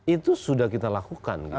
itu sudah kita lakukan